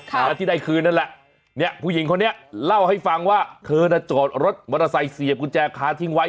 แล้วที่ได้คืนนั่นแหละเนี่ยผู้หญิงคนนี้เล่าให้ฟังว่าเธอน่ะจอดรถมอเตอร์ไซค์เสียบกุญแจค้าทิ้งไว้